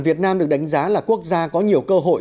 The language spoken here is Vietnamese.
việt nam được đánh giá là quốc gia có nhiều cơ hội